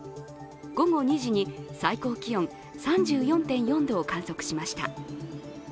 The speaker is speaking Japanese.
午後２時に最高気温３４．４度を観測しました。